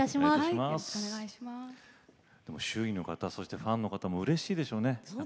周囲の方そして、ファンの方もうれしいでしょうね。